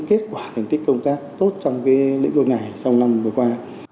kết quả thành tích công tác tốt trong lĩnh vực này trong năm vừa qua